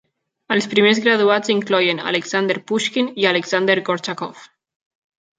Els primers graduats incloïen Alexander Pushkin i Alexander Gorchakov.